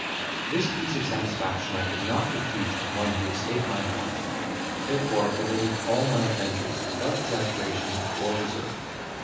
This piece of satisfaction I could not refuse to one who had saved my life, therefore related all my adventures without exaggeration or reserve.